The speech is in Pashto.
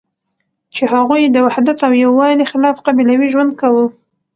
چی هغوی د وحدت او یوالی خلاف قبیلوی ژوند کاوه